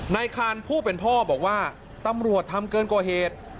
นายคานผู้เป็นพ่อบอกว่าตำรวจทำเกินกว่าเหตุ